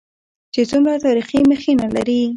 چې څومره تاريخي مخينه لري.